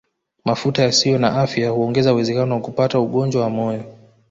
Mafuta yasiyo na afya huongeza uwezekano wa kupatwa ugonjwa wa moyo